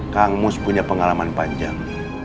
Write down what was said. kang mus punya pengalaman panjang